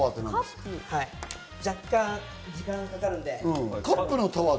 若干、時間がかかるんで。